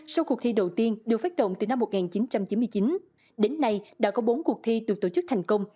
sau cuộc thi đầu tiên được phát động từ năm một nghìn chín trăm chín mươi chín đến nay đã có bốn cuộc thi được tổ chức thành công